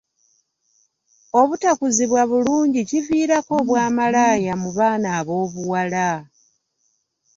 Obutakuzibwa bulungi kiviirako obwa malaaya mu baana ab'obuwala.